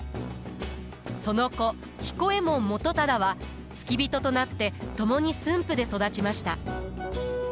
その子彦右衛門元忠は付き人となって共に駿府で育ちました。